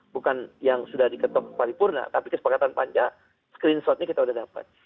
bukan yang sudah diketok paripurna tapi kesepakatan panja screenshotnya kita sudah dapat